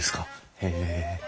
へえ。